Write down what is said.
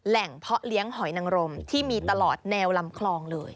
เพาะเลี้ยงหอยนังรมที่มีตลอดแนวลำคลองเลย